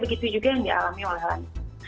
begitu juga yang dialami oleh lansia